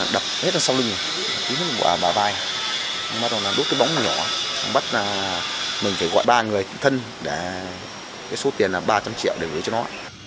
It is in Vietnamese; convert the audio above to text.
đập hết ra sau lưng bắt đầu đốt cái bóng nhỏ bắt mình phải gọi ba người thân để số tiền là ba trăm linh triệu để gửi cho nó